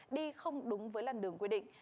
đi không đúng với làn đường quy định